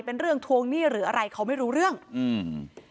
เป็นเรื่องทวงหนี้หรืออะไรเขาไม่รู้เรื่องอืม